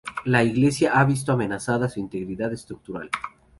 La iglesia ha visto amenazada su integridad estructural.